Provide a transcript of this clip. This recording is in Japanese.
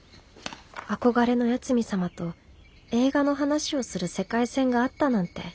憧れの八海サマと映画の話をする世界線があったなんて。